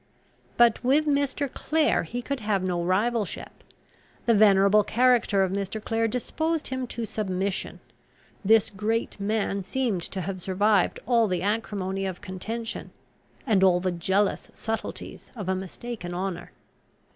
But with Mr. Clare he could have no rivalship; the venerable character of Mr. Clare disposed him to submission: this great man seemed to have survived all the acrimony of contention, and all the jealous subtleties of a mistaken honour.